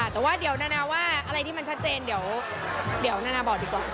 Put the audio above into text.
แต่ว่าเดี๋ยวนานาว่าอะไรที่มันชัดเจนเดี๋ยวนานาบอกดีกว่า